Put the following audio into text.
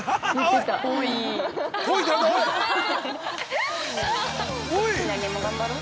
来年も頑張ろう。